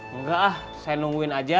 enggak ah saya nungguin aja